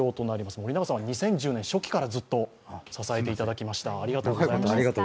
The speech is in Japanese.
森永さんは、２０１０年初期からずっと支えていただきました。